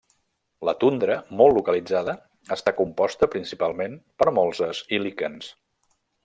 La tundra, molt localitzada, està composta principalment per molses i líquens.